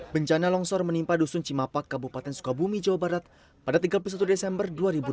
bencana longsor menimpa dusun cimapak kabupaten sukabumi jawa barat pada tiga puluh satu desember dua ribu delapan belas